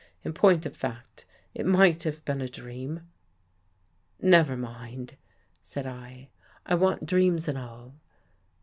In point of fact, it might have been a dream." " Never mind," said I, " I want dreams and all."